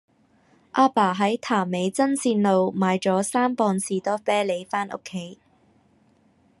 亞爸喺潭尾真善路買左三磅士多啤梨返屋企